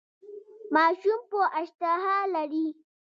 ماشوم مو اشتها لري؟